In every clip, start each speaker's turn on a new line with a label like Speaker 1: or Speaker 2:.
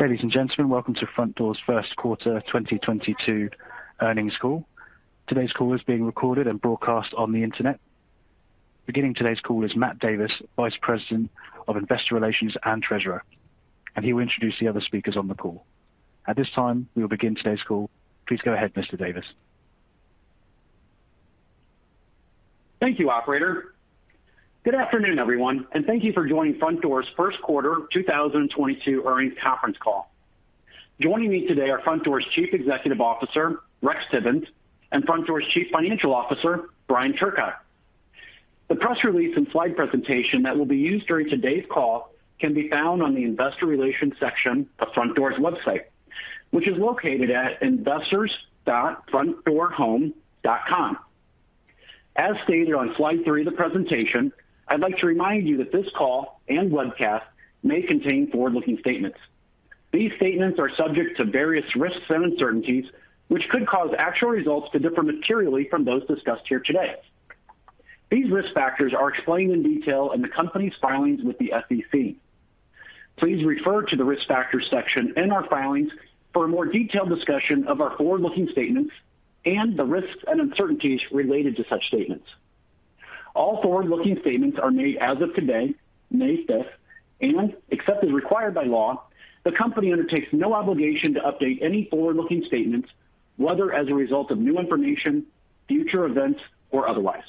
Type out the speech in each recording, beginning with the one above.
Speaker 1: Ladies and gentlemen, welcome to Frontdoor's Q1 2022 earnings call. Today's call is being recorded and broadcast on the internet. Beginning today's call is Matt Davis, Vice President of Investor Relations and Treasurer, and he will introduce the other speakers on the call. At this time, we will begin today's call. Please go ahead, Mr. Davis.
Speaker 2: Thank you, operator. Good afternoon, everyone, and thank you for joining Frontdoor's Q1 2022 earnings conference call. Joining me today are Frontdoor's Chief Executive Officer, Rex Tibbens, and Frontdoor's Chief Financial Officer, Brian Turcotte. The press release and slide presentation that will be used during today's call can be found on the investor relations section of Frontdoor's website, which is located at investors.frontdoorhome.com. As stated on slide three of the presentation, I'd like to remind you that this call and webcast may contain forward-looking statements. These statements are subject to various risks and uncertainties, which could cause actual results to differ materially from those discussed here today. These risk factors are explained in detail in the company's filings with the SEC. Please refer to the Risk Factors section in our filings for a more detailed discussion of our forward-looking statements and the risks and uncertainties related to such statements. All forward-looking statements are made as of today, May fifth, and except as required by law, the Company undertakes no obligation to update any forward-looking statements, whether as a result of new information, future events, or otherwise.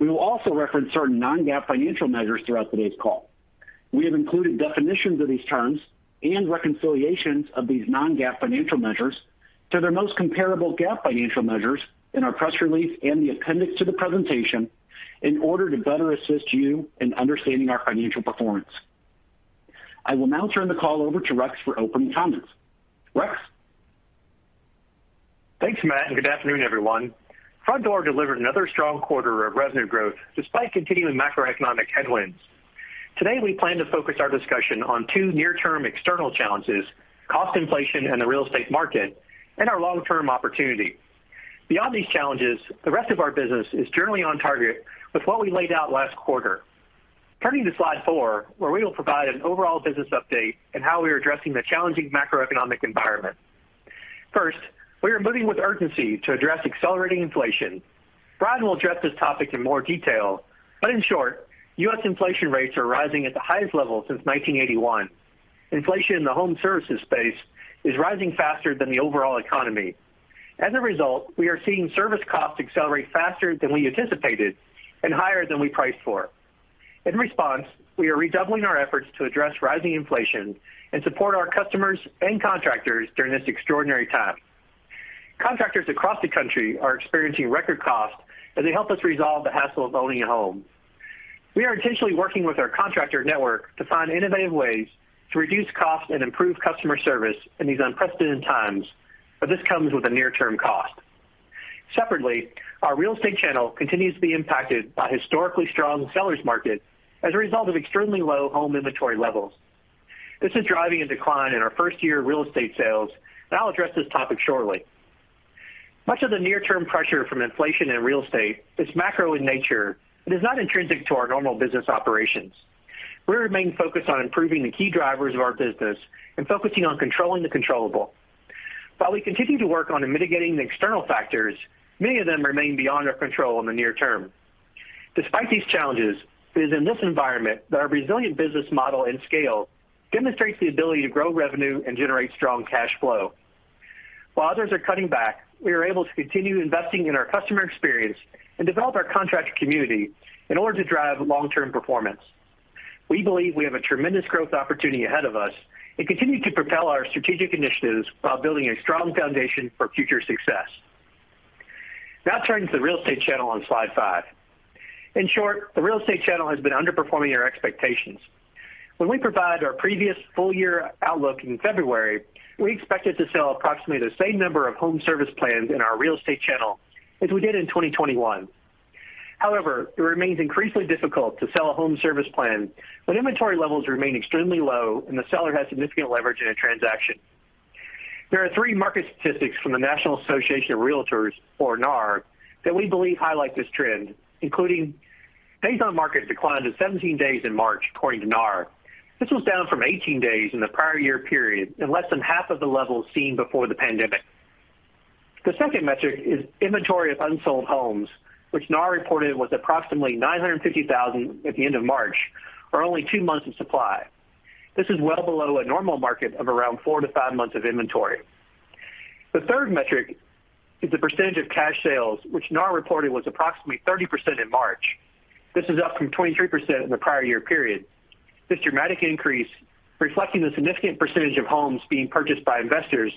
Speaker 2: We will also reference certain non-GAAP financial measures throughout today's call. We have included definitions of these terms and reconciliations of these non-GAAP financial measures to their most comparable GAAP financial measures in our press release and the appendix to the presentation in order to better assist you in understanding our financial performance. I will now turn the call over to Rex for opening comments. Rex?
Speaker 3: Thanks, Matt, and good afternoon, everyone. Frontdoor delivered another strong quarter of revenue growth despite continuing macroeconomic headwinds. Today, we plan to focus our discussion on two near-term external challenges, cost inflation in the real estate market and our long-term opportunity. Beyond these challenges, the rest of our business is generally on target with what we laid out last quarter. Turning to slide four, where we will provide an overall business update and how we are addressing the challenging macroeconomic environment. First, we are moving with urgency to address accelerating inflation. Brian will address this topic in more detail, but in short, U.S. inflation rates are rising at the highest level since 1981. Inflation in the home services space is rising faster than the overall economy. As a result, we are seeing service costs accelerate faster than we anticipated and higher than we priced for. In response, we are redoubling our efforts to address rising inflation and support our customers and contractors during this extraordinary time. Contractors across the country are experiencing record costs as they help us resolve the hassle of owning a home. We are intentionally working with our contractor network to find innovative ways to reduce costs and improve customer service in these unprecedented times, but this comes with a near-term cost. Separately, our real estate channel continues to be impacted by historically strong seller's market as a result of extremely low home inventory levels. This is driving a decline in our first-year real estate sales, and I'll address this topic shortly. Much of the near-term pressure from inflation in real estate is macro in nature and is not intrinsic to our normal business operations. We remain focused on improving the key drivers of our business and focusing on controlling the controllable. While we continue to work on mitigating the external factors, many of them remain beyond our control in the near term. Despite these challenges, it is in this environment that our resilient business model and scale demonstrates the ability to grow revenue and generate strong cash flow. While others are cutting back, we are able to continue investing in our customer experience and develop our contractor community in order to drive long-term performance. We believe we have a tremendous growth opportunity ahead of us and continue to propel our strategic initiatives while building a strong foundation for future success. Now turning to the real estate channel on slide five. In short, the real estate channel has been underperforming our expectations. When we provided our previous full-year outlook in February, we expected to sell approximately the same number of home service plans in our real estate channel as we did in 2021. However, it remains increasingly difficult to sell a home service plan when inventory levels remain extremely low and the seller has significant leverage in a transaction. There are three market statistics from the National Association of Realtors, or NAR, that we believe highlight this trend, including days on market declined to 17 days in March, according to NAR. This was down from 18 days in the prior year period and less than half of the levels seen before the pandemic. The second metric is inventory of unsold homes, which NAR reported was approximately 950,000 at the end of March, or only two months of supply. This is well below a normal market of around four-five months of inventory. The third metric is the percentage of cash sales, which NAR reported was approximately 30% in March. This is up from 23% in the prior year period. This dramatic increase, reflecting the significant percentage of homes being purchased by investors,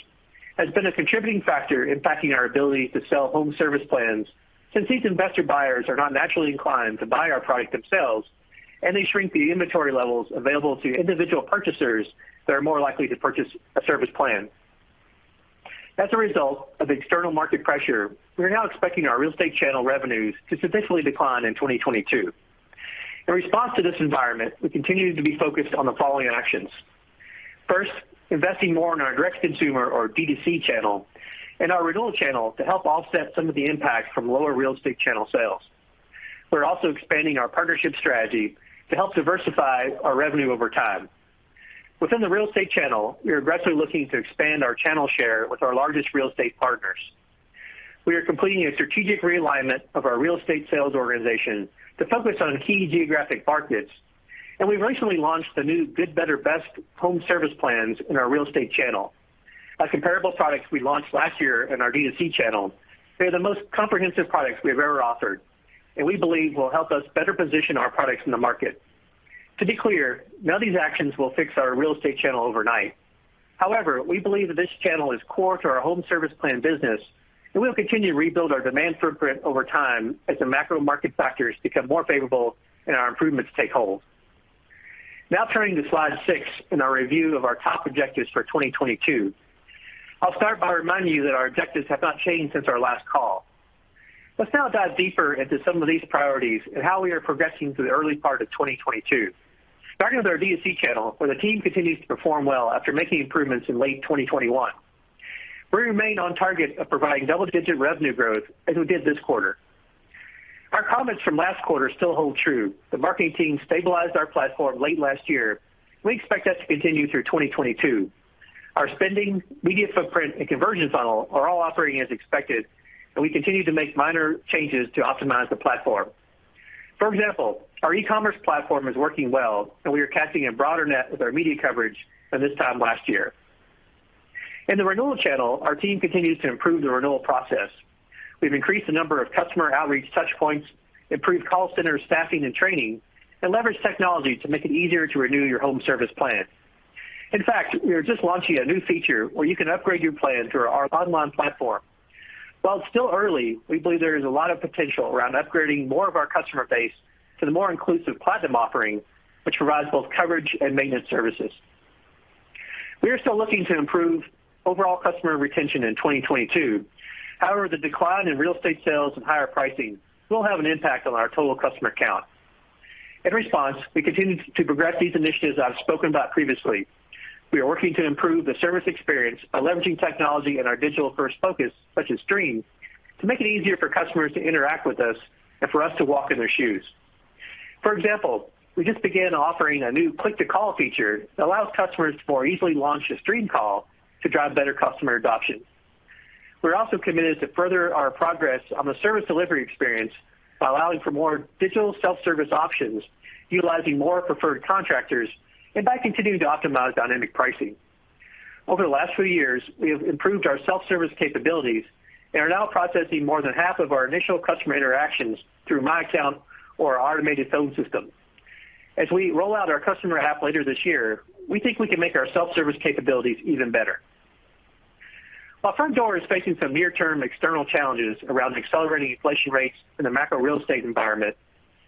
Speaker 3: has been a contributing factor impacting our ability to sell home service plans since these investor buyers are not naturally inclined to buy our product themselves, and they shrink the inventory levels available to individual purchasers that are more likely to purchase a service plan. As a result of external market pressure, we are now expecting our real estate channel revenues to significantly decline in 2022. In response to this environment, we continue to be focused on the following actions. First, investing more in our direct-to-consumer or D2C channel and our renewal channel to help offset some of the impact from lower real estate channel sales. We're also expanding our partnership strategy to help diversify our revenue over time. Within the real estate channel, we are aggressively looking to expand our channel share with our largest real estate partners. We are completing a strategic realignment of our real estate sales organization to focus on key geographic markets, and we've recently launched the new Good Better Best home service plans in our real estate channel. A comparable product we launched last year in our D2C channel, they're the most comprehensive products we have ever offered, and we believe will help us better position our products in the market. To be clear, none of these actions will fix our real estate channel overnight. However, we believe that this channel is core to our home service plan business, and we'll continue to rebuild our demand footprint over time as the macro market factors become more favorable and our improvements take hold. Now turning to slide six in our review of our top objectives for 2022. I'll start by reminding you that our objectives have not changed since our last call. Let's now dive deeper into some of these priorities and how we are progressing through the early part of 2022. Starting with our D2C channel, where the team continues to perform well after making improvements in late 2021. We remain on target of providing double-digit revenue growth as we did this quarter. Our comments from last quarter still hold true. The marketing team stabilized our platform late last year. We expect that to continue through 2022. Our spending, media footprint, and conversion funnel are all operating as expected, and we continue to make minor changes to optimize the platform. For example, our e-commerce platform is working well, and we are casting a broader net with our media coverage than this time last year. In the renewal channel, our team continues to improve the renewal process. We've increased the number of customer outreach touch points, improved call center staffing and training, and leveraged technology to make it easier to renew your home service plan. In fact, we are just launching a new feature where you can upgrade your plan through our online platform. While it's still early, we believe there is a lot of potential around upgrading more of our customer base to the more inclusive platinum offering, which provides both coverage and maintenance services. We are still looking to improve overall customer retention in 2022. However, the decline in real estate sales and higher pricing will have an impact on our total customer count. In response, we continue to progress these initiatives I've spoken about previously. We are working to improve the service experience by leveraging technology and our digital-first focus, such as Streem, to make it easier for customers to interact with us and for us to walk in their shoes. For example, we just began offering a new click-to-call feature that allows customers to more easily launch a Streem call to drive better customer adoption. We're also committed to further our progress on the service delivery experience by allowing for more digital self-service options, utilizing more preferred contractors, and by continuing to optimize dynamic pricing. Over the last few years, we have improved our self-service capabilities and are now processing more than half of our initial customer interactions through My Account or our automated phone system. As we roll out our customer app later this year, we think we can make our self-service capabilities even better. While Frontdoor is facing some near-term external challenges around accelerating inflation rates in the macro real estate environment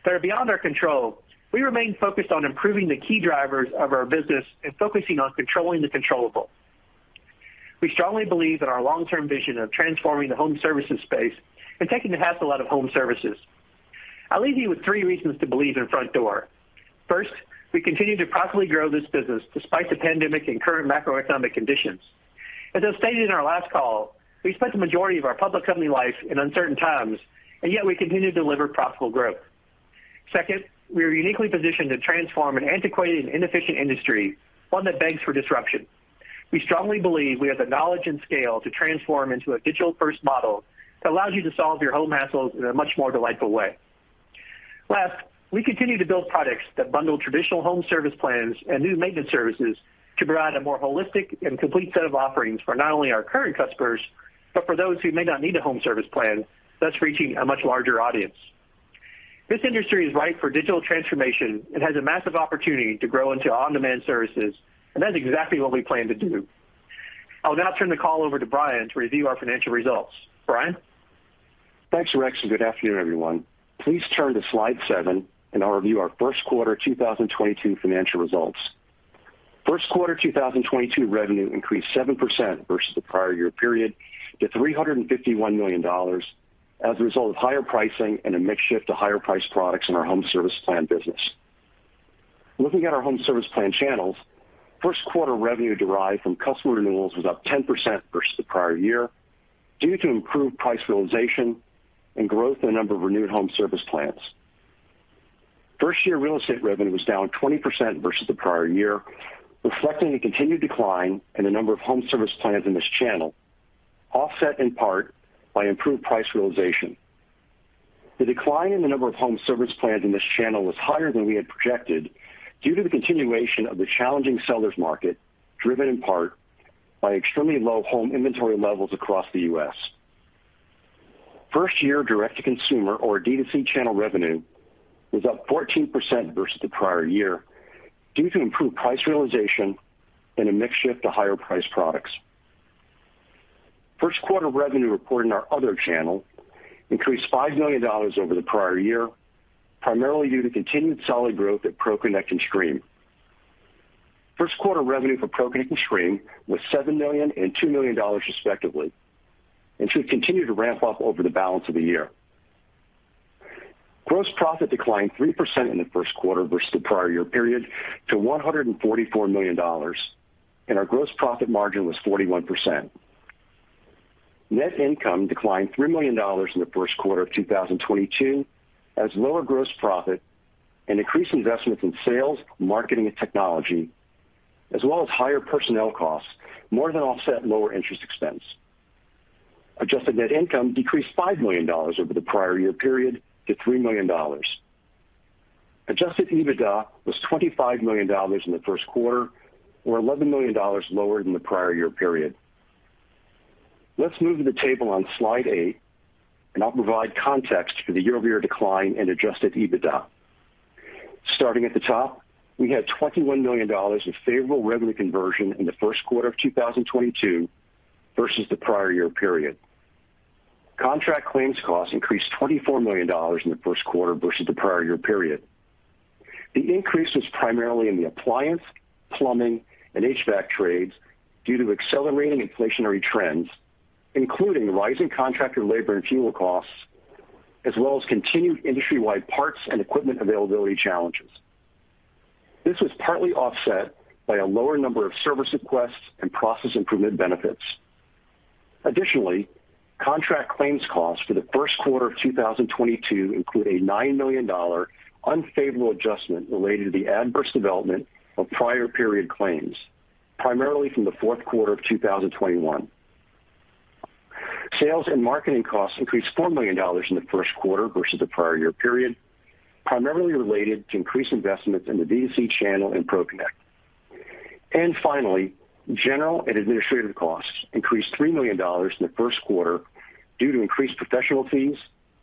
Speaker 3: that are beyond our control, we remain focused on improving the key drivers of our business and focusing on controlling the controllable. We strongly believe in our long-term vision of transforming the home services space and taking the hassle out of home services. I'll leave you with three reasons to believe in Frontdoor. First, we continue to profitably grow this business despite the pandemic and current macroeconomic conditions. As I stated in our last call, we spent the majority of our public company life in uncertain times, and yet we continue to deliver profitable growth. Second, we are uniquely positioned to transform an antiquated and inefficient industry, one that begs for disruption. We strongly believe we have the knowledge and scale to transform into a digital-first model that allows you to solve your home hassles in a much more delightful way. Last, we continue to build products that bundle traditional home service plans and new maintenance services to provide a more holistic and complete set of offerings for not only our current customers, but for those who may not need a home service plan, thus reaching a much larger audience. This industry is ripe for digital transformation and has a massive opportunity to grow into on-demand services, and that's exactly what we plan to do. I'll now turn the call over to Brian to review our financial results. Brian?
Speaker 4: Thanks, Rex, and good afternoon, everyone. Please turn to slide seven, and I'll review our Q1 2022 financial results. Q1 2022 revenue increased 7% versus the prior year period to $351 million as a result of higher pricing and a mix shift to higher-priced products in our home service plan business. Looking at our home service plan channels, Q1 revenue derived from customer renewals was up 10% versus the prior year due to improved price realization and growth in the number of renewed home service plans. First-year real estate revenue was down 20% versus the prior year, reflecting a continued decline in the number of home service plans in this channel, offset in part by improved price realization. The decline in the number of home service plans in this channel was higher than we had projected due to the continuation of the challenging seller's market, driven in part by extremely low home inventory levels across the U.S. First-year direct-to-consumer or D2C channel revenue was up 14% versus the prior year due to improved price realization and a mix shift to higher-priced products. Q1 revenue reported in our other channel increased $5 million over the prior year, primarily due to continued solid growth at ProConnect and Streem. Q1 revenue for ProConnect and Streem was $7 million and $2 million respectively and should continue to ramp up over the balance of the year. Gross profit declined 3% in the Q1 versus the prior year period to $144 million, and our gross profit margin was 41%. Net income declined $3 million in the Q1 of 2022 as lower gross profit and increased investments in sales, marketing, and technology, as well as higher personnel costs, more than offset lower interest expense. Adjusted net income decreased $5 million over the prior year period to $3 million. Adjusted EBITDA was $25 million in the Q1, or $11 million lower than the prior year period. Let's move to the table on slide eight, and I'll provide context for the year-over-year decline in adjusted EBITDA. Starting at the top, we had $21 million of favorable revenue conversion in the Q1 of 2022 versus the prior year period. Contract claims costs increased $24 million in the Q1 versus the prior year period. The increase was primarily in the appliance, plumbing, and HVAC trades due to accelerating inflationary trends, including rising contractor labor and fuel costs, as well as continued industry-wide parts and equipment availability challenges. This was partly offset by a lower number of service requests and process improvement benefits. Additionally, contract claims costs for the Q1 of 2022 include a $9 million unfavorable adjustment related to the adverse development of prior period claims, primarily from the Q4 of 2021. Sales and marketing costs increased $4 million in the Q1 versus the prior year period, primarily related to increased investments in the D2C channel and ProConnect. Finally, general and administrative costs increased $3 million in the Q1 due to increased professional fees,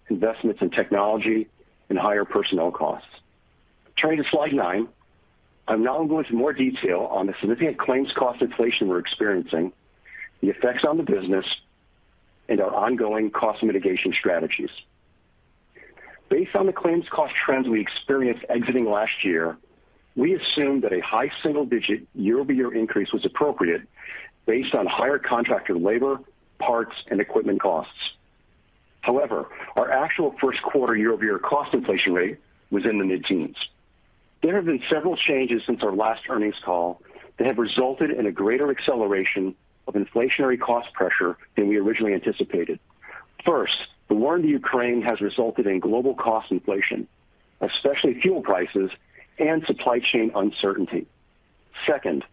Speaker 4: investments in technology, and higher personnel costs. Turning to slide nine, I'll now go into more detail on the significant claims cost inflation we're experiencing, the effects on the business, and our ongoing cost mitigation strategies. Based on the claims cost trends we experienced exiting last year, we assumed that a high single-digit% year-over-year increase was appropriate based on higher contractor labor, parts, and equipment costs. However, our actual Q1 year-over-year cost inflation rate was in the mid-teens%. There have been several changes since our last earnings call that have resulted in a greater acceleration of inflationary cost pressure than we originally anticipated. First, the war in the Ukraine has resulted in global cost inflation, especially fuel prices and supply chain uncertainty. Second,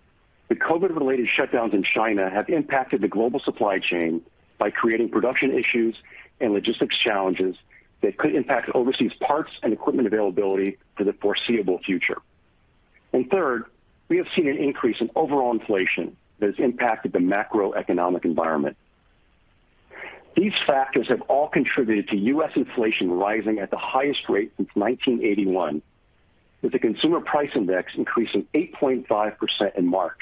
Speaker 4: the COVID-related shutdowns in China have impacted the global supply chain by creating production issues and logistics challenges that could impact overseas parts and equipment availability for the foreseeable future. Third, we have seen an increase in overall inflation that has impacted the macroeconomic environment. These factors have all contributed to U.S. inflation rising at the highest rate since 1981, with the Consumer Price Index increasing 8.5% in March.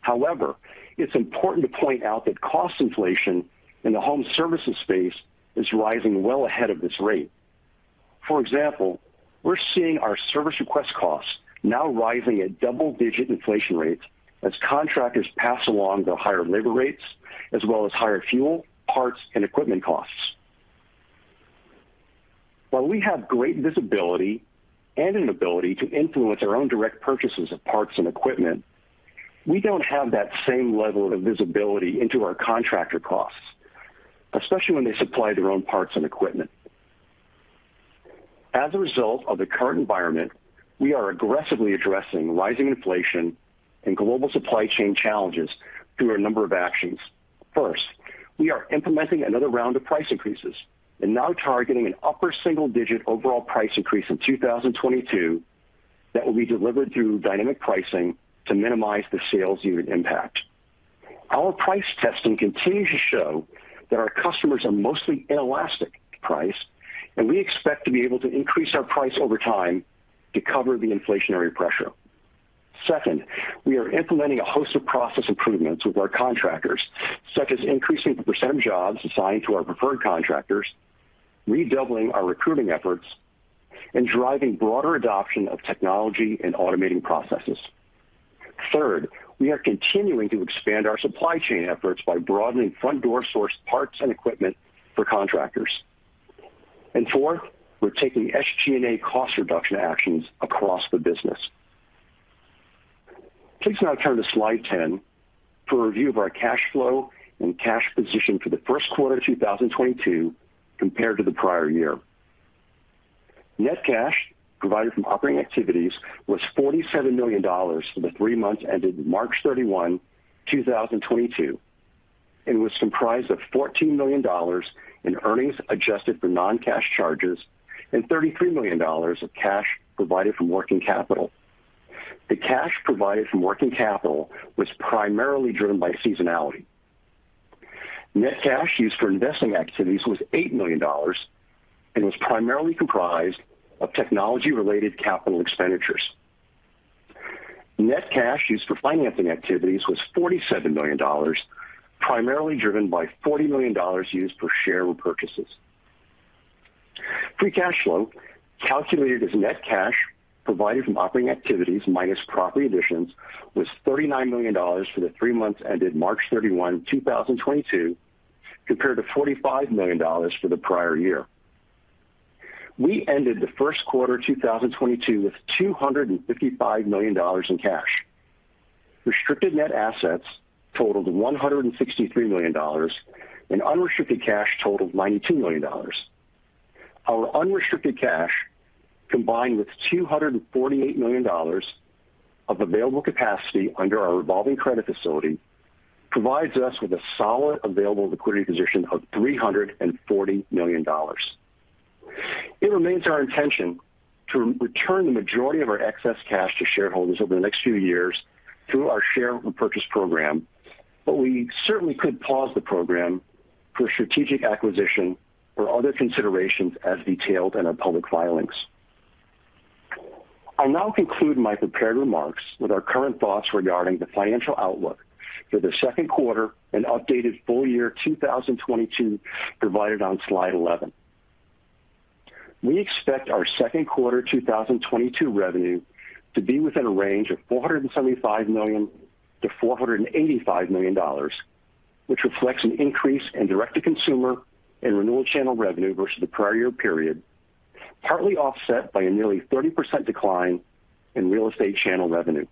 Speaker 4: However, it's important to point out that cost inflation in the home services space is rising well ahead of this rate. For example, we're seeing our service request costs now rising at double-digit inflation rates as contractors pass along their higher labor rates as well as higher fuel, parts, and equipment costs. While we have great visibility and an ability to influence our own direct purchases of parts and equipment, we don't have that same level of visibility into our contractor costs, especially when they supply their own parts and equipment. As a result of the current environment, we are aggressively addressing rising inflation and global supply chain challenges through a number of actions. First, we are implementing another round of price increases and now targeting an upper single-digit overall price increase in 2022 that will be delivered through dynamic pricing to minimize the sales unit impact. Our price testing continues to show that our customers are mostly inelastic to price, and we expect to be able to increase our price over time to cover the inflationary pressure. Second, we are implementing a host of process improvements with our contractors, such as increasing the % of jobs assigned to our preferred contractors, redoubling our recruiting efforts, and driving broader adoption of technology and automating processes. Third, we are continuing to expand our supply chain efforts by broadening Frontdoor-sourced parts and equipment for contractors. Fourth, we're taking SG&A cost reduction actions across the business. Please now turn to slide 10 for a review of our cash flow and cash position for the Q1 of 2022 compared to the prior year. Net cash provided from operating activities was $47 million for the three months ended March 31, 2022, and was comprised of $14 million in earnings adjusted for non-cash charges and $33 million of cash provided from working capital. The cash provided from working capital was primarily driven by seasonality. Net cash used for investing activities was $8 million and was primarily comprised of technology-related capital expenditures. Net cash used for financing activities was $47 million, primarily driven by $40 million used for share repurchases. Free cash flow, calculated as net cash provided from operating activities minus property additions, was $39 million for the three months ended March 31, 2022, compared to $45 million for the prior year. We ended the Q1 2022 with $255 million in cash. Restricted net assets totaled $163 million and unrestricted cash totaled $92 million. Our unrestricted cash, combined with $248 million of available capacity under our revolving credit facility, provides us with a solid available liquidity position of $340 million. It remains our intention to return the majority of our excess cash to shareholders over the next few years through our share repurchase program. We certainly could pause the program for strategic acquisition or other considerations as detailed in our public filings. I'll now conclude my prepared remarks with our current thoughts regarding the financial outlook for the Q2 and updated full year 2022 provided on slide 11. We expect our Q2 2022 revenue to be within a range of $475 million-$485 million, which reflects an increase in direct-to-consumer and renewal channel revenue versus the prior year period, partly offset by a nearly 30% decline in real estate channel revenue.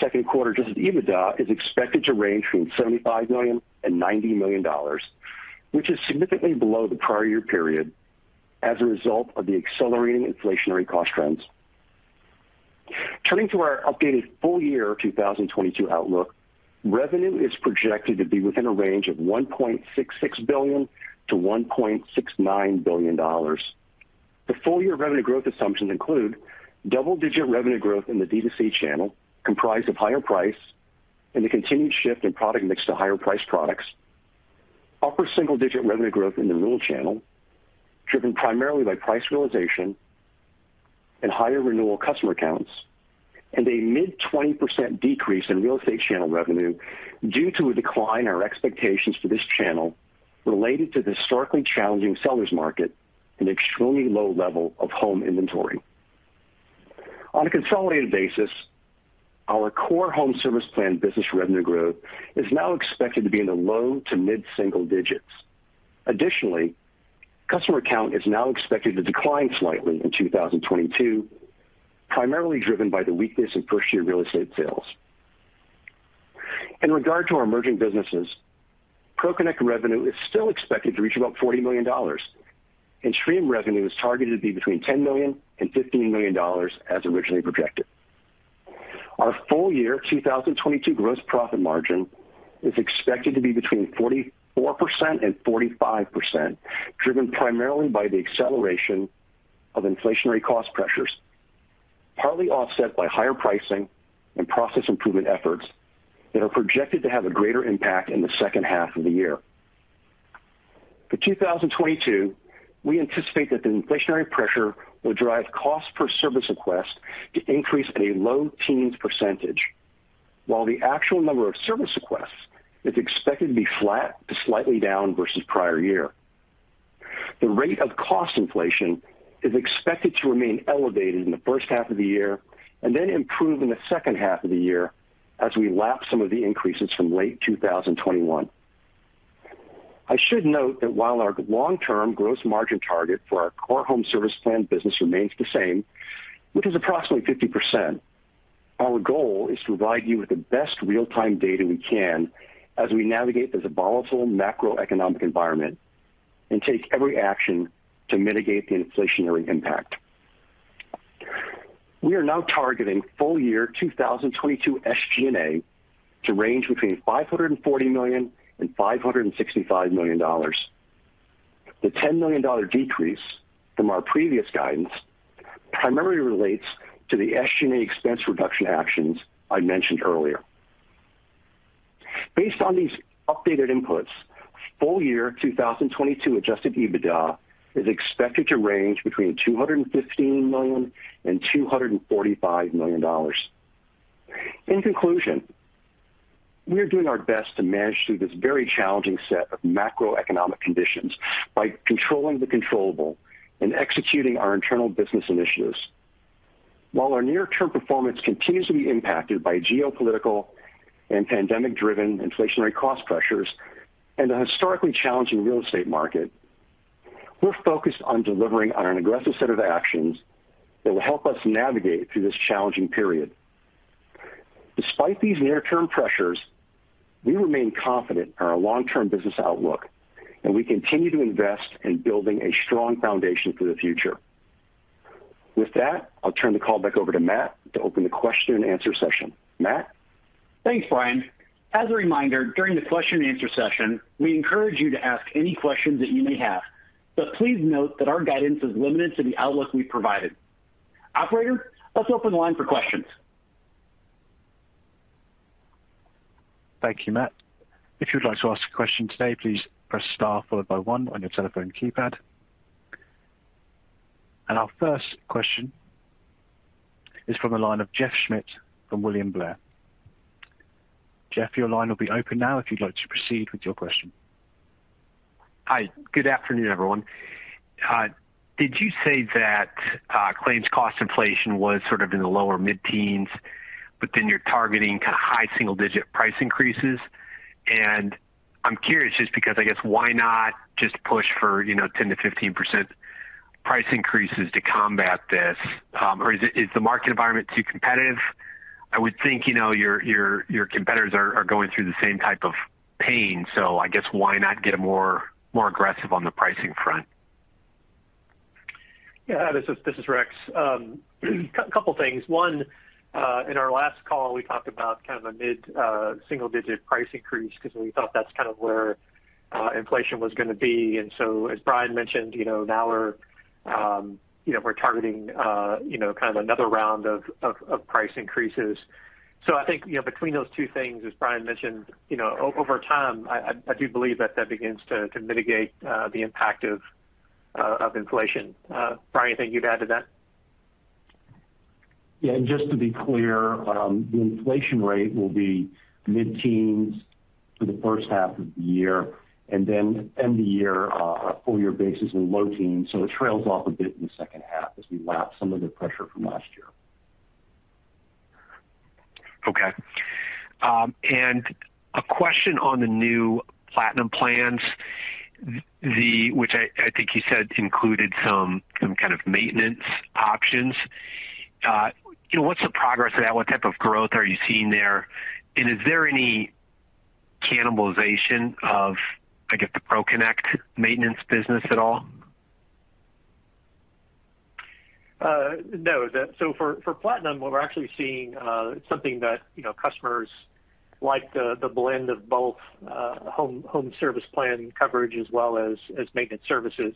Speaker 4: Q2 adjusted EBITDA is expected to range from $75 million-$90 million, which is significantly below the prior year period as a result of the accelerating inflationary cost trends. Turning to our updated full year 2022 outlook, revenue is projected to be within a range of $1.66 billion-$1.69 billion. The full-year revenue growth assumptions include double-digit revenue growth in the D2C channel, comprised of higher price and the continued shift in product mix to higher priced products. Upper-single-digit revenue growth in the renewal channel, driven primarily by price realization and higher renewal customer counts. A mid-20% decrease in real estate channel revenue due to a decline in our expectations for this channel related to the historically challenging seller's market and extremely low level of home inventory. On a consolidated basis, our core home service plan business revenue growth is now expected to be in the low- to mid-single digits. Additionally, customer count is now expected to decline slightly in 2022, primarily driven by the weakness in first-year real estate sales. In regard to our emerging businesses, ProConnect revenue is still expected to reach about $40 million. Streem revenue is targeted to be between $10 million and $15 million as originally projected. Our full year 2022 gross profit margin is expected to be between 44% and 45%, driven primarily by the acceleration of inflationary cost pressures, partly offset by higher pricing and process improvement efforts that are projected to have a greater impact in the second half of the year. For 2022, we anticipate that the inflationary pressure will drive cost per service request to increase in a low teens percentage. While the actual number of service requests is expected to be flat to slightly down versus prior year. The rate of cost inflation is expected to remain elevated in the first half of the year and then improve in the second half of the year as we lap some of the increases from late 2021. I should note that while our long-term gross margin target for our core home service plan business remains the same, which is approximately 50%, our goal is to provide you with the best real-time data we can as we navigate this volatile macroeconomic environment and take every action to mitigate the inflationary impact. We are now targeting full year 2022 SG&A to range between $540 million and $565 million. The $10 million decrease from our previous guidance primarily relates to the SG&A expense reduction actions I mentioned earlier. Based on these updated inputs, full year 2022 adjusted EBITDA is expected to range between $215 million and $245 million. In conclusion, we are doing our best to manage through this very challenging set of macroeconomic conditions by controlling the controllable and executing our internal business initiatives. While our near-term performance continues to be impacted by geopolitical and pandemic-driven inflationary cost pressures and a historically challenging real estate market, we're focused on delivering on an aggressive set of actions that will help us navigate through this challenging period. Despite these near-term pressures, we remain confident in our long-term business outlook, and we continue to invest in building a strong foundation for the future. With that, I'll turn the call back over to Matt to open the question and answer session. Matt?
Speaker 2: Thanks, Brian. As a reminder, during the question and answer session, we encourage you to ask any questions that you may have, but please note that our guidance is limited to the outlook we provided. Operator, let's open the line for questions.
Speaker 1: Thank you, Matt. If you'd like to ask a question today, please press star followed by one on your telephone keypad. Our first question is from the line of Jeff Schmitt from William Blair. Jeff, your line will be open now if you'd like to proceed with your question.
Speaker 5: Hi. Good afternoon, everyone. Did you say that claims cost inflation was sort of in the lower mid-teens? You're targeting high single digit price increases. I'm curious just because I guess why not just push for, you know, 10%-15% price increases to combat this? Or is the market environment too competitive? I would think, you know, your competitors are going through the same type of pain, so I guess why not get more aggressive on the pricing front?
Speaker 3: Yeah. This is Rex. Couple things. One, in our last call, we talked about kind of a mid single digit price increase because we thought that's kind of where inflation was gonna be. As Brian mentioned, you know, now we're you know, we're targeting you know, kind of another round of price increases. I think, you know, between those two things, as Brian mentioned, you know, over time, I do believe that begins to mitigate the impact of inflation. Brian, anything you'd add to that?
Speaker 4: Just to be clear, the inflation rate will be mid-teens for the first half of the year, and then end the year on a full-year basis in low teens. It trails off a bit in the second half as we lap some of the pressure from last year.
Speaker 5: Okay. A question on the new ShieldPlatinum plans, which I think you said included some kind of maintenance options. You know, what's the progress of that? What type of growth are you seeing there? And is there any cannibalization of, I guess, the ProConnect maintenance business at all?
Speaker 3: No. For ShieldPlatinum, what we're actually seeing, something that, you know, customers like the blend of both home service plan coverage as well as maintenance services.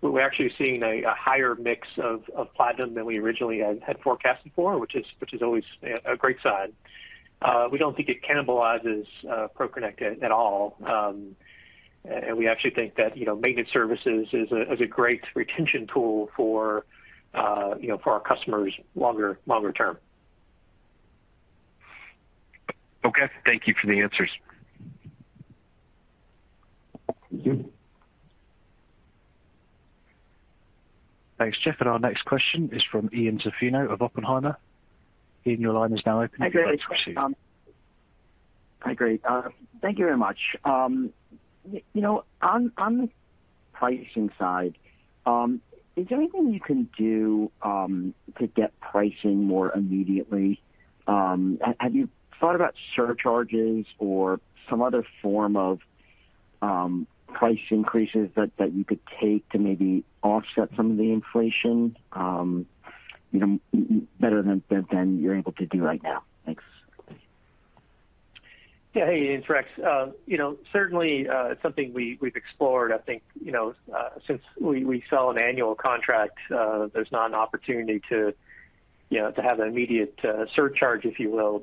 Speaker 3: We're actually seeing a higher mix of ShieldPlatinum than we originally had forecasted for, which is always a great sign. We don't think it cannibalizes ProConnect at all. We actually think that, you know, maintenance services is a great retention tool for our customers longer term.
Speaker 5: Okay. Thank you for the answers.
Speaker 4: Thank you.
Speaker 1: Thanks, Jeff. Our next question is from Ian Zaffino of Oppenheimer. Ian, your line is now open. You may proceed.
Speaker 6: Hi, great. Thank you very much. You know, on the pricing side, is there anything you can do to get pricing more immediately? Have you thought about surcharges or some other form of price increases that you could take to maybe offset some of the inflation, you know, better than you're able to do right now? Thanks.
Speaker 3: Yeah. Hey, Ian. It's Rex. You know, certainly, it's something we've explored. I think, you know, since we sell an annual contract, there's not an opportunity to, you know, to have an immediate surcharge, if you will.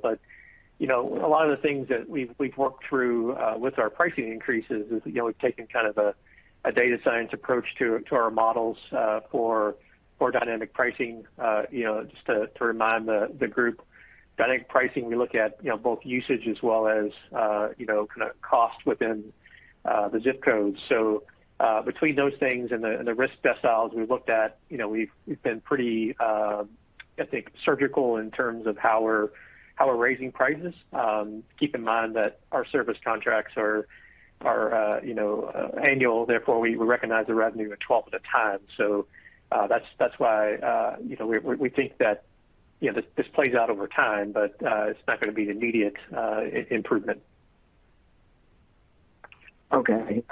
Speaker 3: You know, a lot of the things that we've worked through with our pricing increases is, you know, we've taken kind of a data science approach to our models for dynamic pricing. You know, just to remind the group, dynamic pricing, we look at, you know, both usage as well as, you know, kinda cost within the ZIP codes. So, between those things and the risk deciles we looked at, you know, we've been pretty, I think, surgical in terms of how we're raising prices. Keep in mind that our service contracts are, you know, annual, therefore we recognize the revenue at 12 at a time. That's why, you know, we think that, you know, this plays out over time, but it's not gonna be an immediate improvement.
Speaker 6: Okay.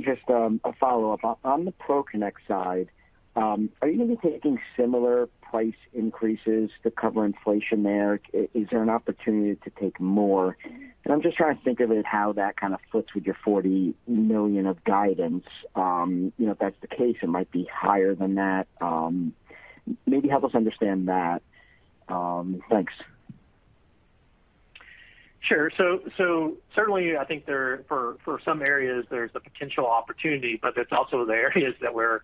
Speaker 6: Just a follow-up. On the ProConnect side, are you gonna be taking similar price increases to cover inflation there? Is there an opportunity to take more? I'm just trying to think of it how that kind of fits with your $40 million of guidance. You know, if that's the case, it might be higher than that. Maybe help us understand that. Thanks.
Speaker 3: Sure. Certainly I think for some areas, there's the potential opportunity, but that's also the areas that we're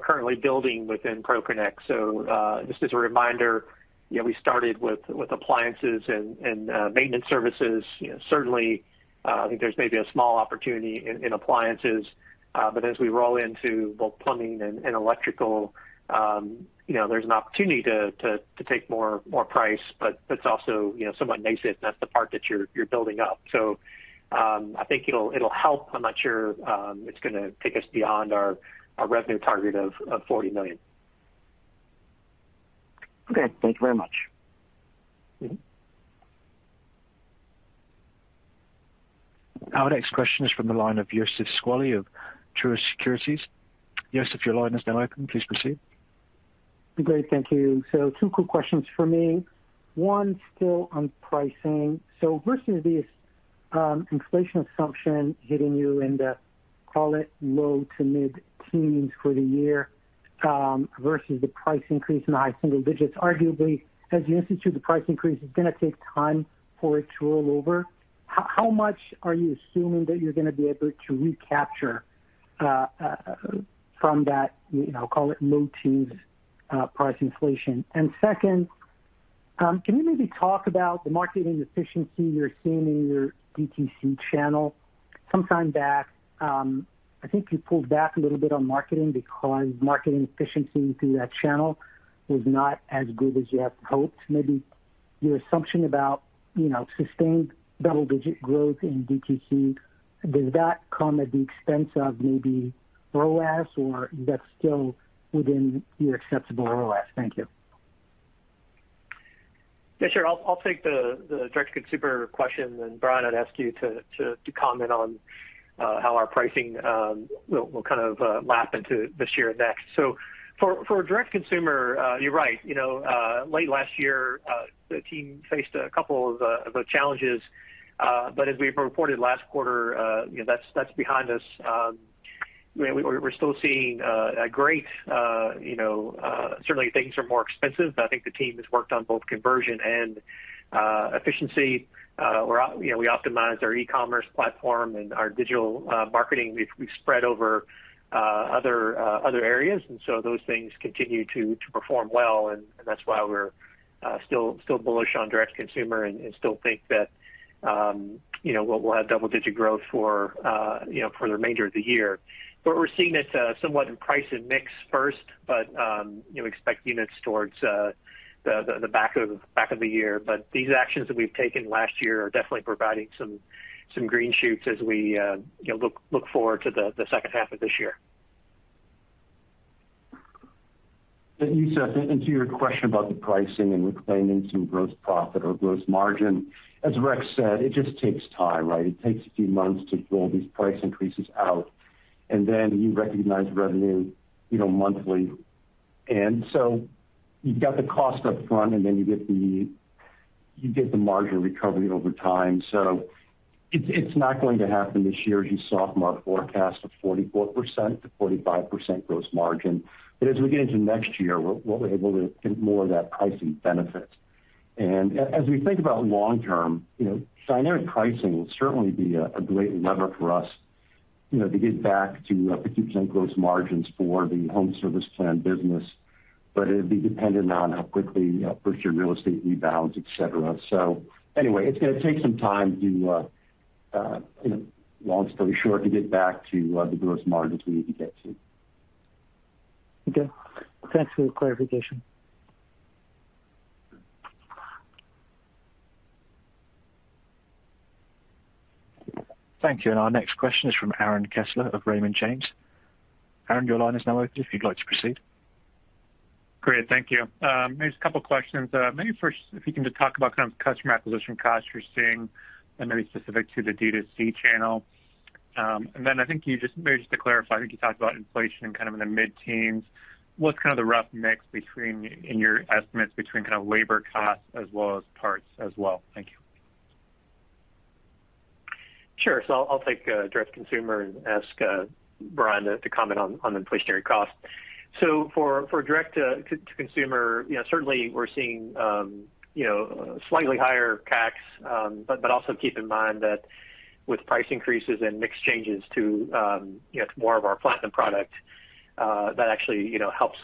Speaker 3: currently building within ProConnect. Just as a reminder, you know, we started with appliances and maintenance services. You know, certainly, I think there's maybe a small opportunity in appliances. But as we roll into both plumbing and electrical, you know, there's an opportunity to take more price. But that's also, you know, somewhat nascent. That's the part that you're building up. I think it'll help. I'm not sure it's gonna take us beyond our revenue target of $40 million.
Speaker 6: Okay. Thank you very much.
Speaker 3: Mm-hmm.
Speaker 1: Our next question is from the line of Youssef Squali of Truist Securities. Youssef, your line is now open. Please proceed.
Speaker 7: Great. Thank you. Two quick questions for me. One, still on pricing. Versus the inflation assumption hitting you in the, call it, low-to-mid-teens% for the year, versus the price increase in high single digits%, arguably, as you institute the price increase, it's gonna take time for it to roll over. How much are you assuming that you're gonna be able to recapture from that, you know, call it low-teens% price inflation? And second, can you maybe talk about the marketing efficiency you're seeing in your DTC channel? Sometime back, I think you pulled back a little bit on marketing because marketing efficiency through that channel was not as good as you had hoped. Maybe your assumption about, you know, sustained double-digit growth in DTC, does that come at the expense of maybe ROAS or that's still within your acceptable ROAS? Thank you.
Speaker 3: Yeah, sure. I'll take the direct-to-consumer question, and Brian, I'd ask you to comment on how our pricing will kind of lap into this year and next. For direct-to-consumer, you're right. You know, late last year, the team faced a couple of challenges. As we reported last quarter, you know, that's behind us. We're still seeing a great, you know, certainly things are more expensive, but I think the team has worked on both conversion and efficiency. You know, we optimized our e-commerce platform and our digital marketing we've spread over other areas. Those things continue to perform well. That's why we're still bullish on direct consumer and still think that, you know, we'll have double-digit growth for, you know, for the remainder of the year. We're seeing this somewhat in price and mix first, but, you know, expect units towards the back of the year. These actions that we've taken last year are definitely providing some green shoots as we, you know, look forward to the second half of this year.
Speaker 4: Youssef, to your question about the pricing and reclaiming some gross profit or gross margin, as Rex said, it just takes time, right? It takes a few months to roll these price increases out, and then you recognize revenue, you know, monthly. You've got the cost up front, and then you get the margin recovery over time. It's not going to happen this year. You saw from our forecast of 44%-45% gross margin. As we get into next year, we're able to get more of that pricing benefit. As we think about long term, you know, dynamic pricing will certainly be a great lever for us, you know, to get back to 50% gross margins for the home service plan business. It'd be dependent on how quickly first-year real estate rebounds, et cetera. Anyway, it's gonna take some time to, you know, long story short, to get back to the gross margins we need to get to.
Speaker 7: Okay. Thanks for the clarification.
Speaker 1: Thank you. Our next question is from Aaron Kessler of Raymond James. Aaron, your line is now open if you'd like to proceed.
Speaker 8: Great. Thank you. Maybe just a couple questions. Maybe first, if you can just talk about kind of customer acquisition costs you're seeing and maybe specific to the D2C channel. I think maybe just to clarify, I think you talked about inflation kind of in the mid-teens. What's kind of the rough mix in your estimates between kind of labor costs as well as parts as well? Thank you.
Speaker 3: Sure. I'll take direct-to-consumer and ask Brian to comment on inflationary costs. For direct-to-consumer, you know, certainly we're seeing you know, slightly higher CACs. But also keep in mind that with price increases and mix changes to you know, more of our platinum product, that actually you know, helps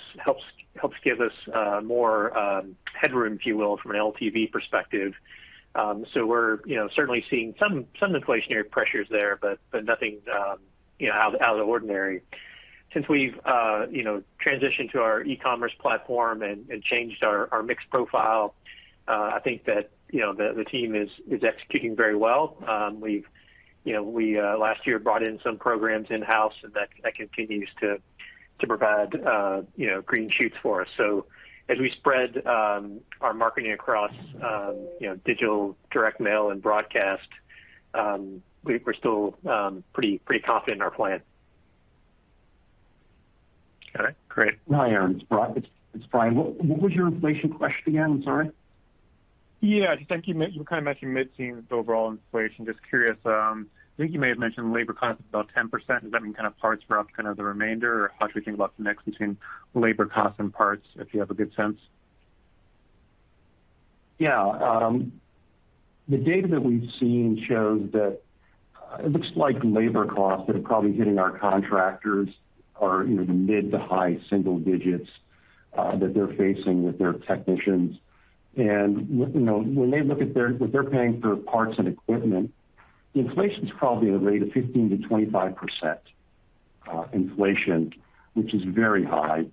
Speaker 3: give us more headroom, if you will, from an LTV perspective. We're you know, certainly seeing some inflationary pressures there, but nothing you know, out of the ordinary. Since we've you know, transitioned to our e-commerce platform and changed our mix profile, I think that you know, the team is executing very well. We've, you know, last year brought in some programs in-house and that continues to provide, you know, green shoots for us. As we spread our marketing across, you know, digital, direct mail and broadcast, we're still pretty confident in our plan.
Speaker 8: Got it. Great.
Speaker 4: Hi, Aaron. It's Brian. What was your inflation question again? I'm sorry.
Speaker 8: I think you were kind of mentioning mid-teens with overall inflation. Just curious, I think you may have mentioned labor costs about 10%. Does that mean kind of parts were up kind of the remainder, or how should we think about the mix between labor costs and parts, if you have a good sense?
Speaker 4: Yeah. The data that we've seen shows that it looks like labor costs that are probably hitting our contractors are, you know, the mid to high-single digits that they're facing with their technicians. You know, when they look at what they're paying for parts and equipment, inflation's probably in the rate of 15%-25% inflation, which is very high.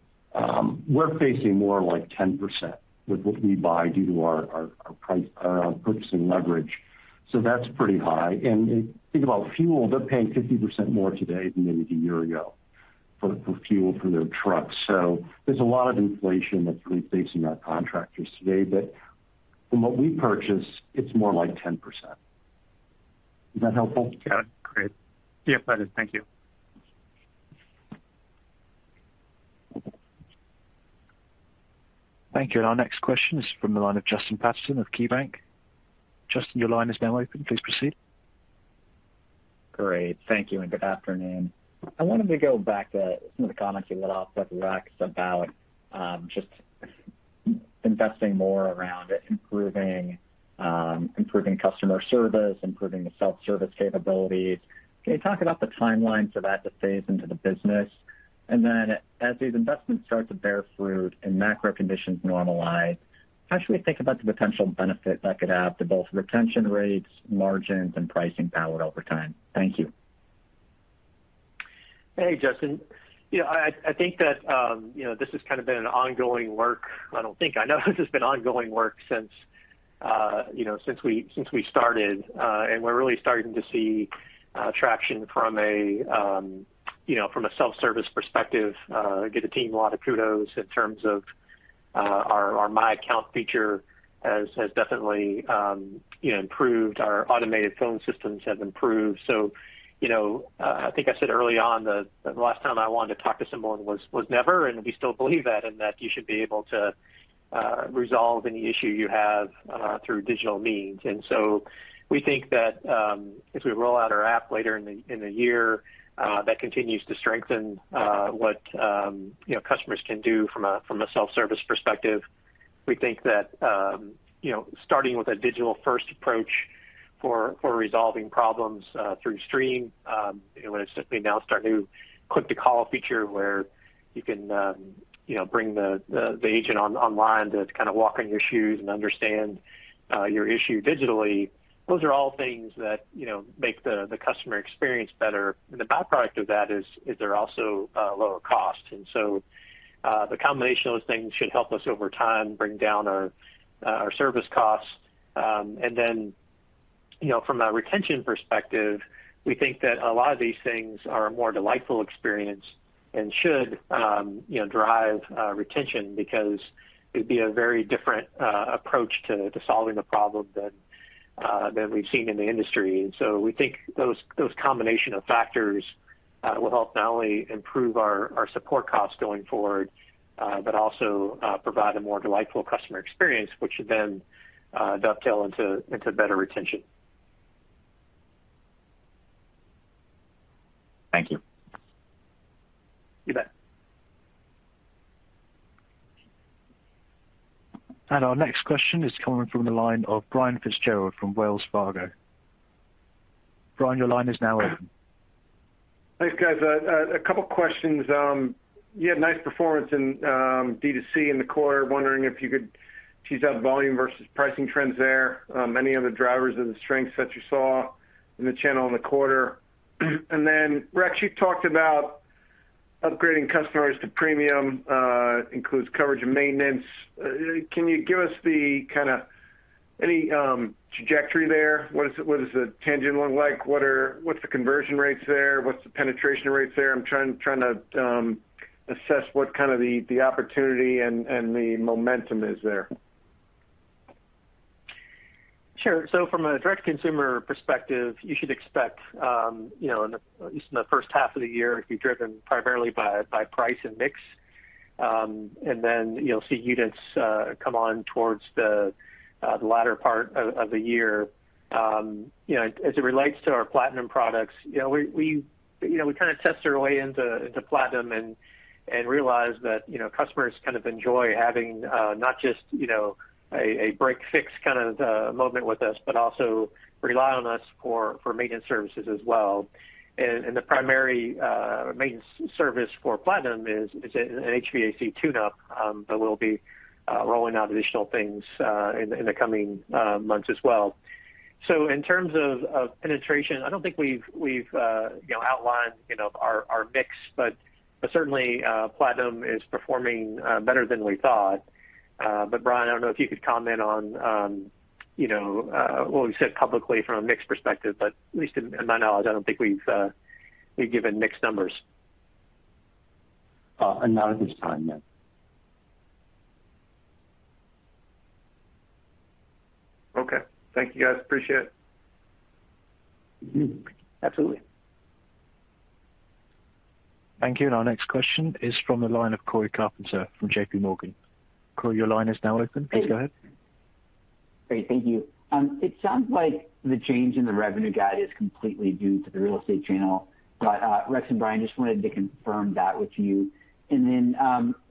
Speaker 4: We're facing more like 10% with what we buy due to our purchasing leverage. That's pretty high. If you think about fuel, they're paying 50% more today than they did a year ago for fuel for their trucks. There's a lot of inflation that's really facing our contractors today. From what we purchase, it's more like 10%. Is that helpful?
Speaker 8: Got it. Great. Yes, that is. Thank you.
Speaker 1: Thank you. Our next question is from the line of Justin Patterson of KeyBanc. Justin, your line is now open. Please proceed.
Speaker 9: Great. Thank you and good afternoon. I wanted to go back to some of the comments you led off with Rex about just investing more around improving customer service, improving the self-service capabilities. Can you talk about the timelines of that to phase into the business? As these investments start to bear fruit and macro conditions normalize, how should we think about the potential benefit that could have to both retention rates, margins, and pricing power over time? Thank you.
Speaker 3: Hey, Justin. Yeah, I think that this has kind of been an ongoing work. I know this has been ongoing work since we started. We're really starting to see traction from a self-service perspective. Give the team a lot of kudos in terms of our My Account feature has definitely improved. Our automated phone systems have improved. I think I said early on the last time I wanted to talk to someone was never, and we still believe that you should be able to resolve any issue you have through digital means. We think that, as we roll out our app later in the year, that continues to strengthen what you know customers can do from a self-service perspective. We think that, you know, starting with a digital-first approach for resolving problems through Streem, you know, it's simply now starting to click to call feature where you can, you know, bring the agent online to kind of walk in your shoes and understand your issue digitally. Those are all things that, you know, make the customer experience better. The byproduct of that is they're also lower cost. The combination of those things should help us over time bring down our service costs. You know, from a retention perspective, we think that a lot of these things are a more delightful experience and should, you know, drive retention because it'd be a very different approach to solving the problem than we've seen in the industry. We think those combination of factors will help not only improve our support costs going forward, but also provide a more delightful customer experience, which should then dovetail into better retention.
Speaker 9: Thank you.
Speaker 3: You bet.
Speaker 1: Our next question is coming from the line of Brian Fitzgerald from Wells Fargo. Brian, your line is now open.
Speaker 10: Thanks, guys. A couple of questions. You had nice performance in D2C in the quarter. Wondering if you could tease out volume versus pricing trends there. Any other drivers of the strengths that you saw in the channel in the quarter? Then, Rex, you talked about upgrading customers to premium, inclusive coverage and maintenance. Can you give us any kind of trajectory there? What does the trajectory look like? What's the conversion rates there? What's the penetration rates there? I'm trying to assess what kind of the opportunity and the momentum is there.
Speaker 3: Sure. From a direct consumer perspective, you should expect, you know, at least in the first half of the year to be driven primarily by price and mix. You'll see units come on towards the latter part of the year. You know, as it relates to our platinum products, you know, we kind of test our way into platinum and realize that, you know, customers kind of enjoy having, not just, you know, a break fix kind of moment with us, but also rely on us for maintenance services as well. The primary maintenance service for platinum is an HVAC tune-up, but we'll be rolling out additional things in the coming months as well. In terms of penetration, I don't think we've you know outlined you know our mix, but certainly platinum is performing better than we thought. But Brian, I don't know if you could comment on you know what we've said publicly from a mix perspective, but at least in my knowledge, I don't think we've given mix numbers.
Speaker 4: Not at this time, no.
Speaker 10: Okay. Thank you, guys. Appreciate it.
Speaker 3: Mm-hmm. Absolutely.
Speaker 1: Thank you. Our next question is from the line of Cory Carpenter from JPMorgan. Cory, your line is now open. Please go ahead.
Speaker 11: Great. Thank you. It sounds like the change in the revenue guide is completely due to the real estate channel. Rex and Brian, just wanted to confirm that with you.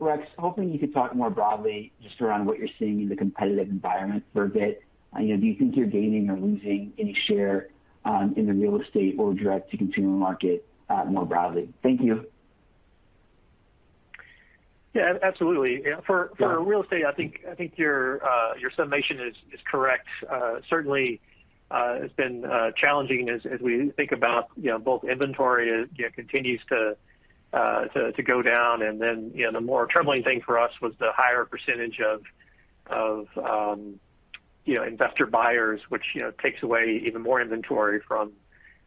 Speaker 11: Rex, hoping you could talk more broadly just around what you're seeing in the competitive environment for a bit. You know, do you think you're gaining or losing any share in the real estate or direct to consumer market more broadly? Thank you.
Speaker 3: Yeah, absolutely. For real estate, I think your summation is correct. Certainly, it's been challenging as we think about you know both inventory continues to go down. Then you know the more troubling thing for us was the higher percentage of investor buyers, which you know takes away even more inventory from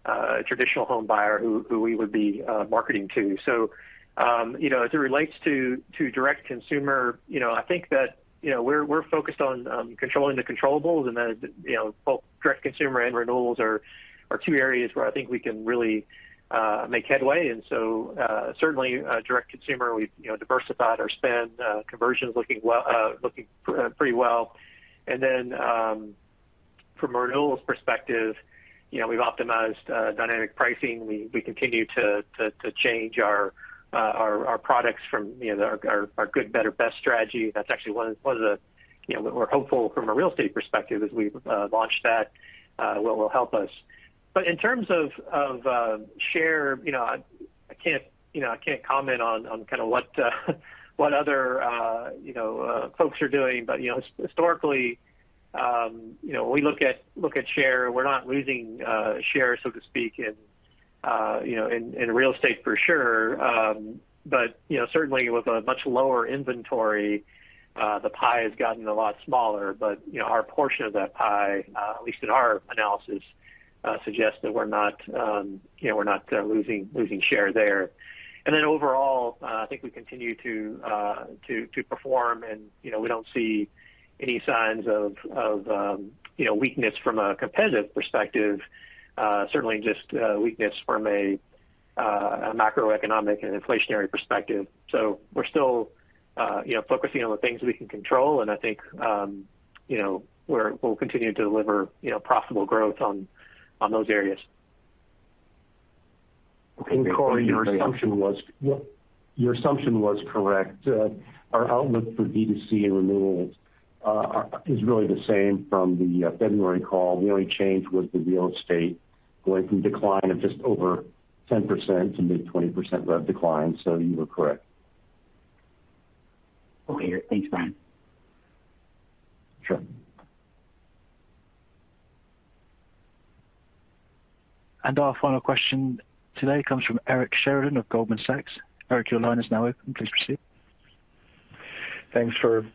Speaker 3: a traditional home buyer who we would be marketing to. So you know as it relates to direct consumer, you know I think that you know we're focused on controlling the controllables and you know both direct consumer and renewals are two areas where I think we can really make headway. Certainly, direct consumer, we've, you know, diversified our spend, conversions looking pretty well. From a renewals perspective, you know, we've optimized dynamic pricing. We continue to change our products from, you know, our Good Better Best strategy. That's actually one of the, you know, we're hopeful from a real estate perspective as we've launched that will help us. In terms of share, you know, I can't comment on kind of what other folks are doing. Historically, you know, we look at share. We're not losing share, so to speak, in real estate for sure. You know, certainly with a much lower inventory, the pie has gotten a lot smaller. You know, our portion of that pie, at least in our analysis, suggests that we're not losing share there. Overall, I think we continue to perform and, you know, we don't see any signs of weakness from a competitive perspective. Certainly just weakness from a macroeconomic and inflationary perspective. We're still, you know, focusing on the things we can control, and I think, you know, we'll continue to deliver, you know, profitable growth on those areas.
Speaker 4: Cory, your assumption was correct. Our outlook for D2C and renewals is really the same from the February call. The only change was the real estate went from decline of just over 10% to mid-20% rev decline. You were correct.
Speaker 11: Okay. Thanks, Brian.
Speaker 4: Sure.
Speaker 1: Our final question today comes from Eric Sheridan of Goldman Sachs. Eric, your line is now open. Please proceed.
Speaker 12: Thanks for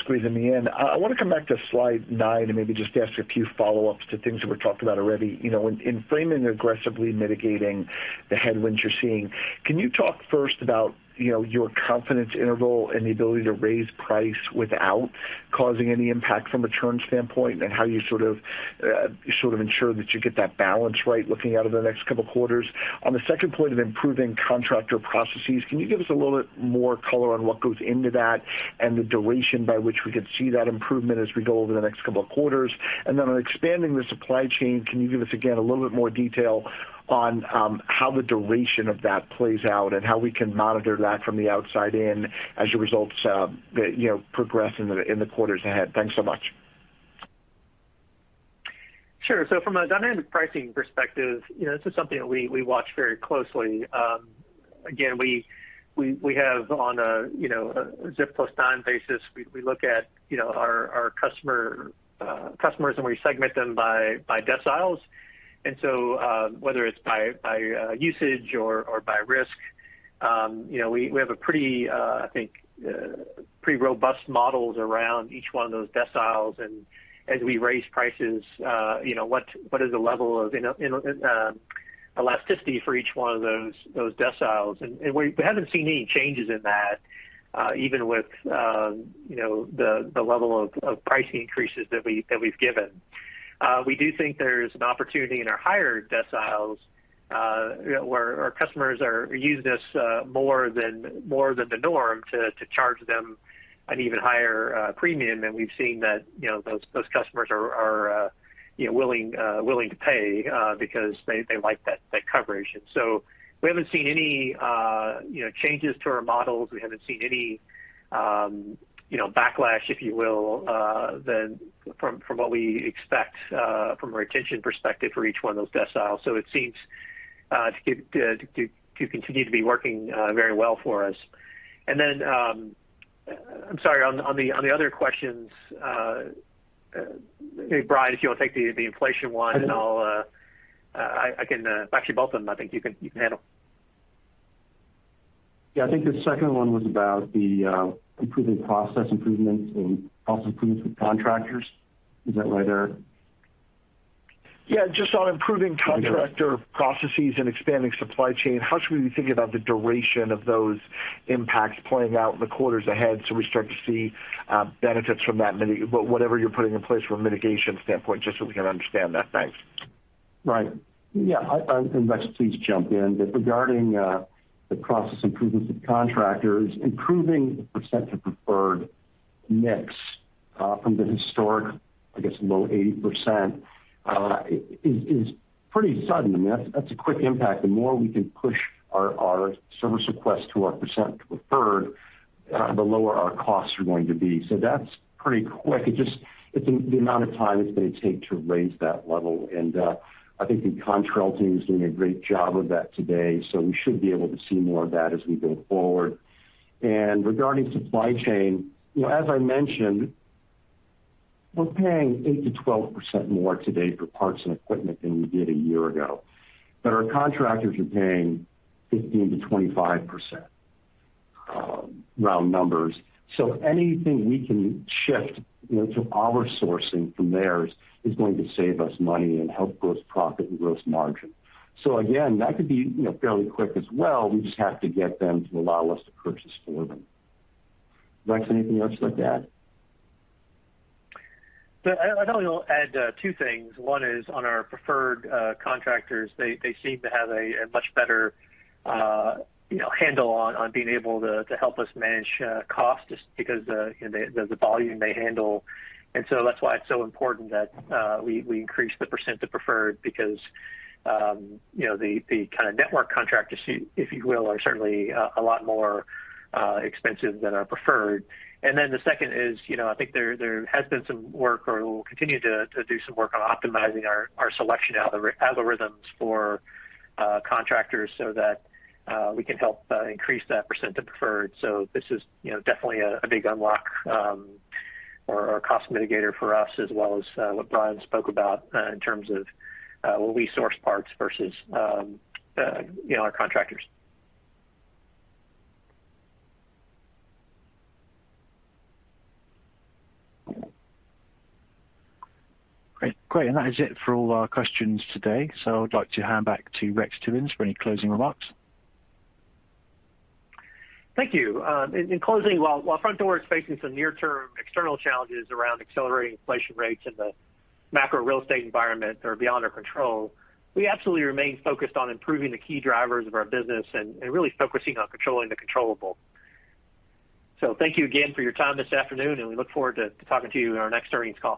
Speaker 12: squeezing me in. I wanna come back to slide nine and maybe just ask a few follow-ups to things that were talked about already. You know, in framing aggressively mitigating the headwinds you're seeing, can you talk first about, you know, your confidence interval and the ability to raise price without causing any impact from a churn standpoint? How you sort of ensure that you get that balance right looking out over the next couple quarters? On the second point of improving contractor processes, can you give us a little bit more color on what goes into that and the duration by which we could see that improvement as we go over the next couple of quarters? On expanding the supply chain, can you give us, again, a little bit more detail on how the duration of that plays out and how we can monitor that from the outside in as your results, you know, progress in the quarters ahead? Thanks so much.
Speaker 3: Sure. From a dynamic pricing perspective, you know, this is something that we watch very closely. Again, we have on a ZIP+4 basis, we look at our customers, and we segment them by deciles. Whether it's by usage or by risk, you know, we have pretty robust models around each one of those deciles. As we raise prices, you know, what is the level of elasticity for each one of those deciles. We haven't seen any changes in that, even with the level of price increases that we've given. We do think there's an opportunity in our higher deciles, where our customers are using us more than the norm to charge them an even higher premium. We've seen that, you know, those customers are willing to pay because they like that coverage. We haven't seen any, you know, changes to our models. We haven't seen any, you know, backlash, if you will, other than from what we expect from a retention perspective for each one of those deciles. It seems to continue to be working very well for us. Then, I'm sorry. On the other questions, maybe Brian, if you wanna take the inflation one.
Speaker 4: I can.
Speaker 3: Actually, both of them I think you can handle.
Speaker 4: Yeah. I think the second one was about the improving process improvements with contractors. Is that right, Eric?
Speaker 12: Yeah, just on improving contractor processes and expanding supply chain, how should we be thinking about the duration of those impacts playing out in the quarters ahead so we start to see benefits from that whatever you're putting in place from a mitigation standpoint, just so we can understand that? Thanks.
Speaker 4: Right. Yeah, Rex, please jump in. Regarding the process improvements with contractors, improving the percent of preferred mix from the historic, I guess, low 80%, is pretty sudden. I mean, that's a quick impact. The more we can push our service request to our percent preferred, the lower our costs are going to be. That's pretty quick. It's just in the amount of time it's gonna take to raise that level. I think the contractor team is doing a great job of that today, so we should be able to see more of that as we go forward. Regarding supply chain, you know, as I mentioned, we're paying 8%-12% more today for parts and equipment than we did a year ago. Our contractors are paying 15%-25%, round numbers. Anything we can shift, you know, to our sourcing from theirs is going to save us money and help gross profit and gross margin. Again, that could be, you know, fairly quick as well. We just have to get them to allow us to purchase for them. Rex, anything else you'd like to add?
Speaker 3: I thought I'll add two things. One is on our preferred contractors, they seem to have a much better, you know, handle on being able to help us manage cost just because, you know, the volume they handle. That's why it's so important that we increase the percent of preferred because, you know, the kinda network contractors, if you will, are certainly a lot more expensive than our preferred. The second is, you know, I think there has been some work or we'll continue to do some work on optimizing our selection algorithms for contractors so that we can help increase that percent of preferred. This is, you know, definitely a big unlock or cost mitigator for us as well as what Brian spoke about in terms of will we source parts versus, you know, our contractors.
Speaker 1: Great. That is it for all our questions today. I'd like to hand back to Rex Tibbens for any closing remarks.
Speaker 3: Thank you. In closing, while Frontdoor is facing some near-term external challenges around accelerating inflation rates and the macro real estate environment that are beyond our control, we absolutely remain focused on improving the key drivers of our business and really focusing on controlling the controllable. Thank you again for your time this afternoon, and we look forward to talking to you in our next earnings call.